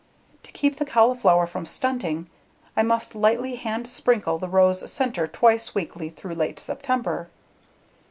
To keep the cauliflower from stunting I must lightly hand sprinkle the row's center twice weekly through late September.